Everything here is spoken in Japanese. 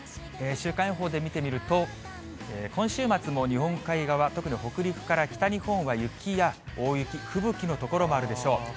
週間予報で見てみると、今週末も日本海側、特に北陸から北日本は雪や大雪、吹雪の所もあるでしょう。